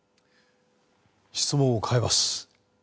質問を変えます。